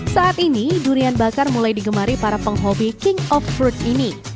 saat ini durian bakar mulai digemari para penghobi king off roads ini